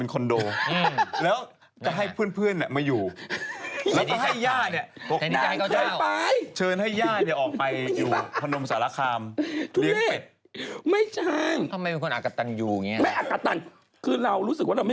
ของคุณอยู่พนมใช่ไหม